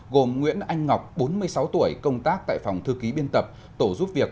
gồm nguyễn anh ngọc bốn mươi sáu tuổi công tác tại phòng thư ký biên tập tổ giúp việc